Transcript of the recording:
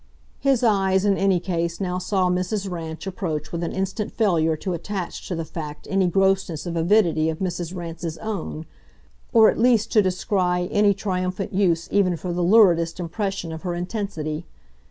His eyes, in any case, now saw Mrs. Rance approach with an instant failure to attach to the fact any grossness of avidity of Mrs. Rance's own or at least to descry any triumphant use even for the luridest impression of her intensity.